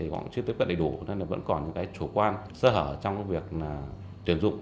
vẫn chưa tiếp cận đầy đủ nên vẫn còn những chủ quan sơ hở trong việc